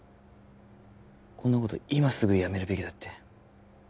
こんなこと今すぐやめるべきだって